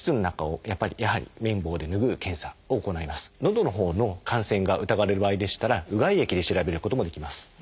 どのほうの感染が疑われる場合でしたらうがい液で調べることもできます。